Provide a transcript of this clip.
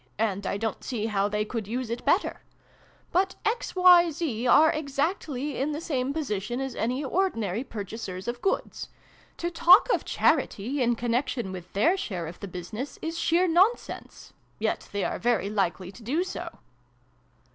And I don't see how they could use it better. But X, Y, Z, are exactly in the same position as any ordinary purchasers of goods. To talk of ' charity ' in connection with their share of the business, is sheer nonsense. Yet they are very likely to do so.